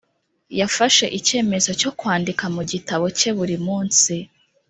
yafashe icyemezo cyo kwandika mu gitabo cye buri munsi